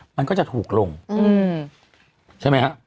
มันก็จะถูกลงใช่ไหมฮะ